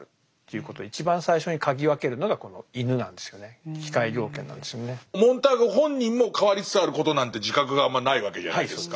モンターグがやはりちょっとモンターグ本人も変わりつつあることなんて自覚があんまないわけじゃないですか。